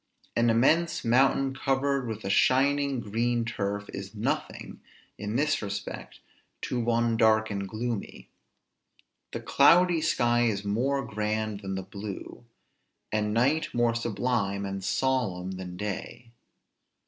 An immense mountain covered with a shining green turf, is nothing, in this respect, to one dark and gloomy; the cloudy sky is more grand than the blue; and night more sublime and solemn than day.